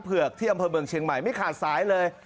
เผือกที่อำเภอเมืองเชียงใหม่ไม่ขาดสายเลย